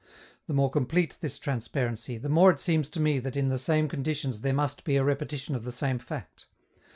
The more complete this transparency, the more it seems to me that in the same conditions there must be a repetition of the same fact.